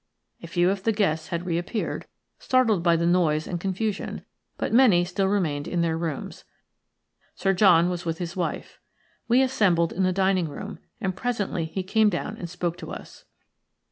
A few of the guests had reappeared, startled by the noise and confusion, but many still remained in their rooms. Sir John was with his wife. We assembled in the dining room, and presently he came down and spoke to us.